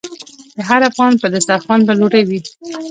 د هر افغان په دسترخان به ډوډۍ وي؟